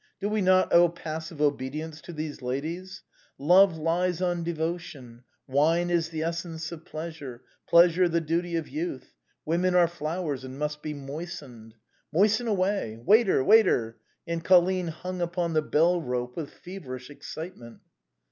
Do we not owe passive obedience to these ladies ? Love lives on devotion ; wine is the essence of pleasure, pleasure the duty of youth; women are flowers, and must be moistened. Moisten away! Waiter ! waiter !" and Colline hung upon the bell rope with feverish excitement.